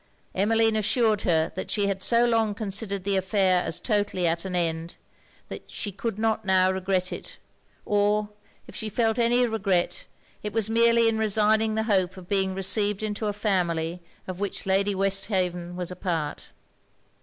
Emmeline assured her that she had so long considered the affair as totally at an end, that she could not now regret it; or if she felt any regret, it was merely in resigning the hope of being received into a family of which Lady Westhaven was a part.